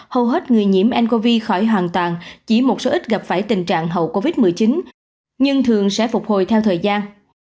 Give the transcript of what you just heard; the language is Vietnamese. hầu hết người nhiễm ncov khỏi hoàn toàn chỉ một số ít gặp phải tình trạng hậu covid một mươi chín nhưng thường sẽ phục hồi theo thời gian